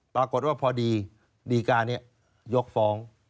ปรากฏว่าพอดีดีการนี้ยกฟ้อง